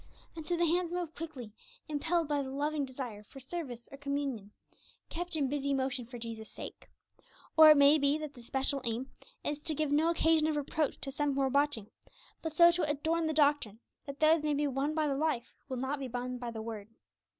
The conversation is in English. And so the hands move quickly, impelled by the loving desire for service or communion, kept in busy motion for Jesus' sake. Or it may be that the special aim is to give no occasion of reproach to some who are watching, but so to adorn the doctrine that those may be won by the life who will not be won by the word.